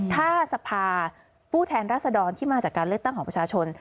ถ้าสภาผู้แทนรัศดรที่มาจากการเลือกตั้งของประชาชน